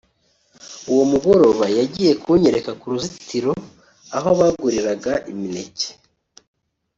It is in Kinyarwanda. uwo mugoroba yagiye kunyereka ku ruzitiro aho baguriraga imineke